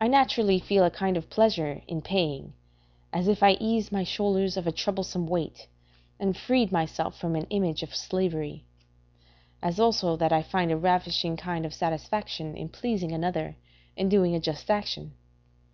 I naturally feel a kind of pleasure in paying, as if I eased my shoulders of a troublesome weight and freed myself from an image of slavery; as also that I find a ravishing kind of satisfaction in pleasing another and doing a just action.